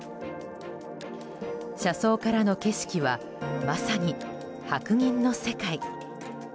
車窓からの景色はまさに白銀の世界。